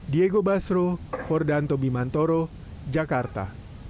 diego basro fordan tobimantoro jakarta